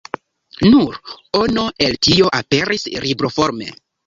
Nur ono el tio aperis libroforme.